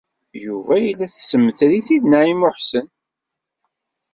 Yuba yella tessemter-it-id Naɛima u Ḥsen.